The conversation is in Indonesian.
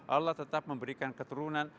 allah tetap memberikan keturunan